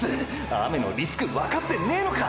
雨のリスクわかってねぇのか！！